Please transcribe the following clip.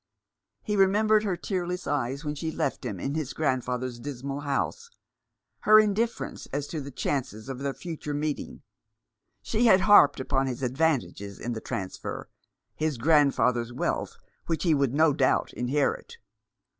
He remembered her tearless eyes when she left him in his grandfather's dismal house, her indifference as to the chances of their future meeting. She had harped upon his advantages in the transfer, his grandfather's wealth, which he would no doubt inherit.